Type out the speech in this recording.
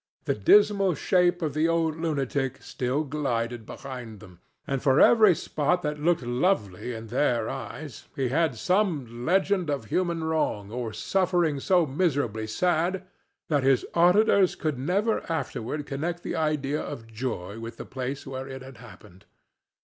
The dismal shape of the old lunatic still glided behind them, and for every spot that looked lovely in their eyes he had some legend of human wrong or suffering so miserably sad that his auditors could never afterward connect the idea of joy with the place where it had happened.